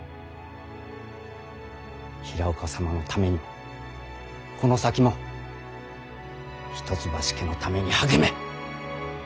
平岡様のためにもこの先も一橋家のために励め。